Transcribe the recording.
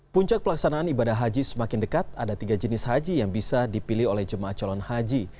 puncak pelaksanaan ibadah haji semakin dekat ada tiga jenis haji yang bisa dipilih oleh jemaah calon haji